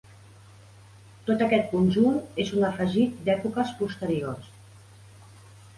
Tot aquest conjunt és un afegit d'èpoques posteriors.